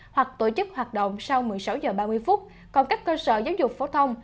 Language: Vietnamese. hoặc tổ chức hoạt động sau một mươi sáu h ba mươi còn các cơ sở giáo dục phổ thông